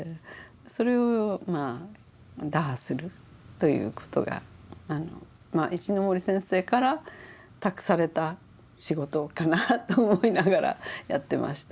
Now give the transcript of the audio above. それを打破するという事が石森先生から託された仕事かなと思いながらやってました。